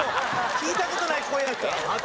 聞いた事ない声だった。